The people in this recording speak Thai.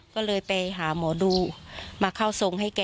ก็เลยไปหาหมอดูมาเข้าทรงให้แก